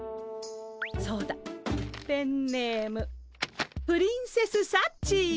そうだペンネームプリンセスサッチー。